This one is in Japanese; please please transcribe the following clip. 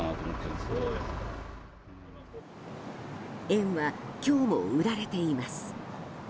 円は今日も売られています。